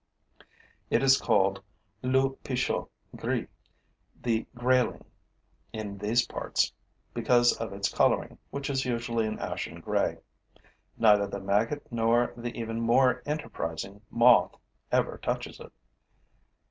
It is called lou pichot gris, the grayling, in these parts, because of its coloring, which is usually an ashen gray. Neither the maggot nor the even more enterprising Moth ever touches it.